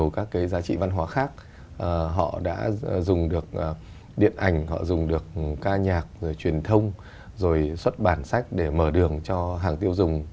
các cái điểm yếu